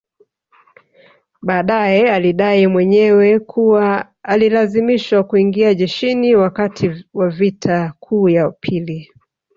Baadae alidai mwenyewe kuwa alilazimishwa kuingia jeshini wakati wa vita kuu ya pili